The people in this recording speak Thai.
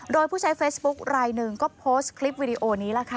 โดยผู้ใช้เฟซบุ๊คลายหนึ่งก็โพสต์คลิปวิดีโอนี้ล่ะค่ะ